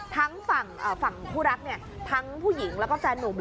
ทั้งฝั่งคู่รักทั้งผู้หญิงแล้วก็แฟนนุ่ม